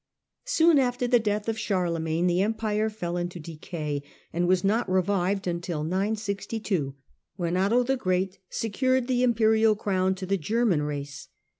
Soon after the death of Charlemagne the Empire fell into decay and was not revived until 962, when Otho the Great secured the Imperial Crown to the German race.